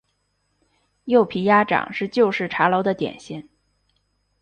柚皮鸭掌是旧式茶楼的点心。